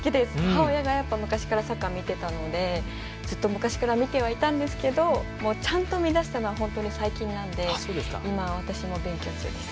母親が昔からサッカーを見ていたのでずっと見てはいたんですけどもちゃんと見出したのは本当に最近なので今、私も勉強中です。